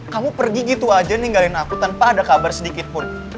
kamu pergi gitu aja ninggalin aku tanpa ada kabar sedikit pun